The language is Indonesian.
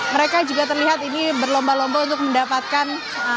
mereka juga terlihat ini berlomba lomba untuk mendapatkan